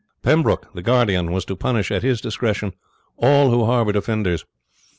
Pembroke, the guardian, was to punish at his discretion all who harboured offenders.